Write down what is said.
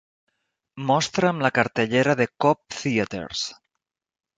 Mostra'm la cartellera de Cobb Theatres.